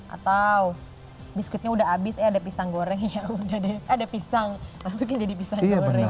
atau biskuitnya udah habis ya ada pisang goreng ya udah ada pisang masukin jadi pisang goreng